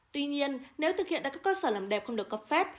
tuy nhiên nếu thực hiện tại các cơ sở làm đẹp không được cấp phép